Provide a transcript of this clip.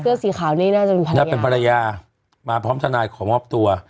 เสื้อสีขาวนี้น่าจะเป็นภรรยาน่าเป็นภรรยามาพร้อมชาญขอมอบตัว